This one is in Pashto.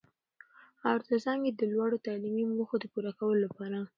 او تر څنګ يې د لوړو تعليمي موخو د پوره کولو لپاره.